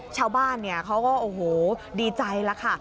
ชาวบ้านเขาก็โอ้โหดีใจแล้วค่ะ